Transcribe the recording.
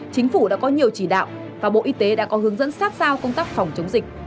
chính phủ đã có nhiều chỉ đạo và bộ y tế đã có hướng dẫn sát sao công tác phòng chống dịch